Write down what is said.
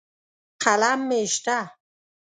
قلم مې شته.